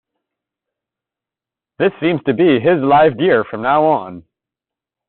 This seems to be his live gear from now on.